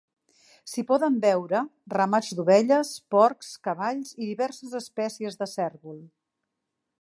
S'hi poden veure ramats d'ovelles, porcs, cavalls i diverses espècies de cérvol.